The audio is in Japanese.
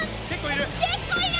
結構いる？